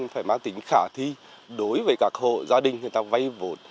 phải mang tính khả thi đối với các hộ gia đình người ta vay vốn